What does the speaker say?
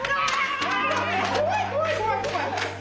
怖い怖い怖い怖い！